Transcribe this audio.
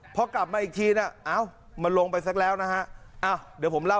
พอกลับมาอีกทีนะเอ้ามันลงไปสักแล้วนะฮะอ้าวเดี๋ยวผมเล่า